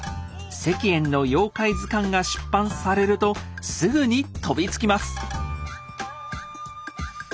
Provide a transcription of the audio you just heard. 石燕の妖怪図鑑が出版されるとすぐに飛びつきます。